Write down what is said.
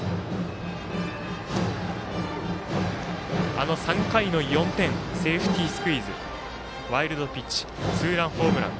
あの３回の４点セーフティースクイズワイルドピッチツーランホームラン。